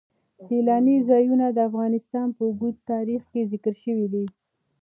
سیلانی ځایونه د افغانستان په اوږده تاریخ کې ذکر شوی دی.